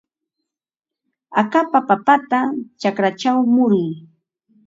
Akapa papata chakrachaw muruy.